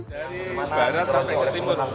dari barat sampai ke timur